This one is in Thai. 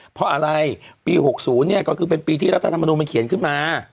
เพราะอะไรปี๖๐เนี่ยก็คือเป็นปีที่รัฐธรรมนุนมันเขียนขึ้นมา